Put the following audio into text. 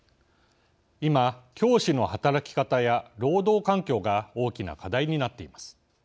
今教師の働き方や労働環境が大きな課題になっています。